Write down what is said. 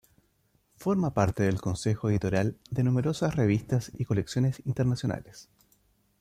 Forma parte del consejo editorial de numerosas revistas y colecciones internacionales.